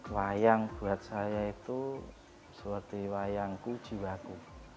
wayang buat saya itu seperti wayangku jiwaku